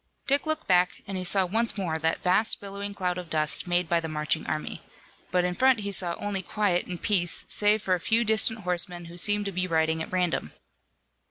Dick looked back, and he saw once more that vast billowing cloud of dust made by the marching army. But in front he saw only quiet and peace, save for a few distant horsemen who seemed to be riding at random.